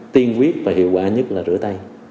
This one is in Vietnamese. tiên quyết và hiệu quả nhất là rửa tay